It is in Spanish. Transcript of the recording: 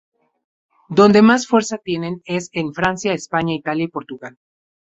Donde más fuerza tienen es en Francia, España, Italia y Portugal.